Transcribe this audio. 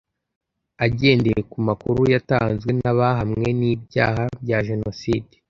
Agendeye ku makuru yatanzwe n'abahamwe n'ibyaha bya jenoside,